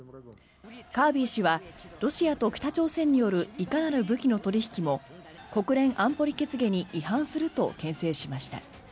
カービ−氏はロシアと北朝鮮によるいかなる武器の取引も国連安保理決議に違反するとけん制しました。